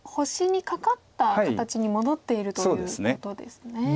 星にカカった形に戻っているということですね。